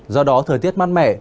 do đó thời tiết mát mẻ